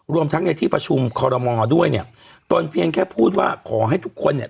รวมทั้งในที่ประชุมคอรมอด้วยเนี่ยตนเพียงแค่พูดว่าขอให้ทุกคนเนี่ย